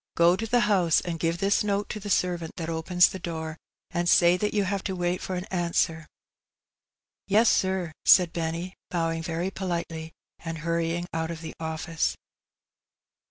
Gro to the house, and give this note to the servant that opens the door, and say that you have to wait for an answer.'' " Yes, sir," said Benny, bowing very politely, and hurry ing out of the office.